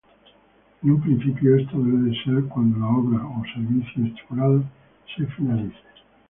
En un principio esto debe ser cuando la obra o servicio estipulado sea finalizado.